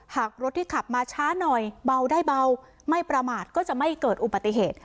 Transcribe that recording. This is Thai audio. หากรถที่ขับมาช้าหน่อยเบาได้เบาไม่ประมาทก็จะไม่เกิดอุบัติเหตุ